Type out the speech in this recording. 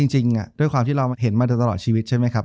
จริงด้วยความที่เราเห็นมาตลอดชีวิตใช่ไหมครับ